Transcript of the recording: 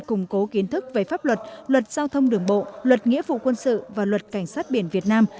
củng cố kiến thức về pháp luật luật giao thông đường bộ luật nghĩa vụ quân sự và luật cảnh sát biển việt nam